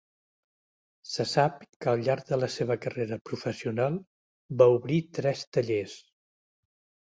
Se sap que al llarg de la seva carrera professional va obrir tres tallers.